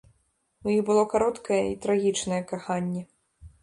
У іх было кароткае і трагічнае каханне.